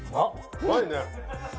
うまいね。